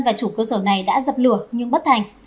và chủ cơ sở này đã dập lửa nhưng bất thành